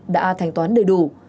đã thành toán đầy đủ